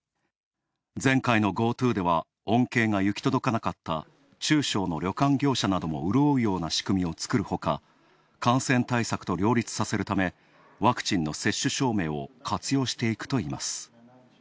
前回のＧｏＴｏでは恩恵が行き届かなかった中小の旅館業者なども潤うような仕組みも作るほか、感染対策と両立させるためワクチンの接種証明を活用していくといいます。